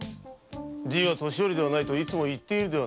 じぃは「年寄りではない」といつも言っているではないか。